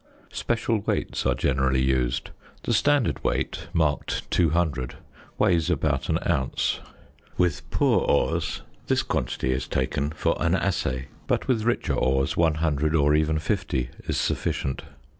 Special weights are generally used. The standard weight, marked 200, weighs about an ounce; with poor ores this quantity is taken for an assay, but with richer ores 100 or even 50 is sufficient.